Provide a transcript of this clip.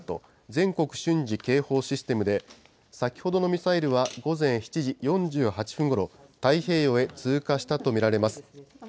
・全国瞬時警報システムで、先ほどのミサイルは午前７時４８分ごろ、太平洋へ通過したと見られます。